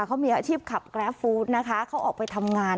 เขามีอาชีพขับแกรฟฟู้ดนะคะเขาออกไปทำงาน